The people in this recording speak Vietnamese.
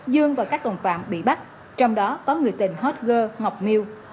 dương và các đồng phạm bị bắt trong đó có người tên hot girl ngọc miu